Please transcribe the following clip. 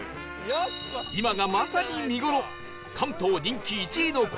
今がまさに見頃関東人気１位の紅葉スポット